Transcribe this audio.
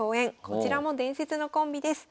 こちらも伝説のコンビです。